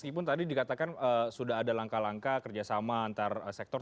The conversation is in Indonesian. meskipun tadi dikatakan sudah ada langkah langkah kerjasama antar sektor